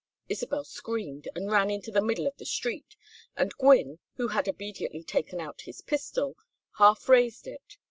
Isabel screamed and ran into the middle of the street, and Gwynne, who had obediently taken out his pistol, half raised it.